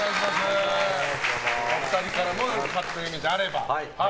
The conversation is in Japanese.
お二人からも勝手なイメージがあれば。